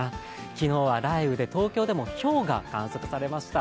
昨日は雷雨で東京でもひょうが観測されました。